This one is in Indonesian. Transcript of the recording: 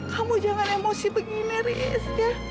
kamu jangan emosi begini neris